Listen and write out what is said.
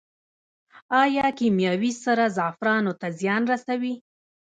آیا کیمیاوي سره زعفرانو ته زیان رسوي؟